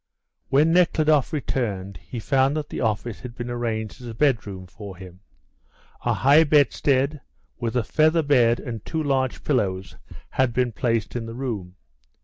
When Nekhludoff returned he found that the office had been arranged as a bedroom for him. A high bedstead, with a feather bed and two large pillows, had been placed in the room.